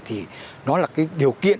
thì nó là điều kiện